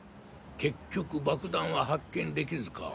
結局爆弾は発見できずか。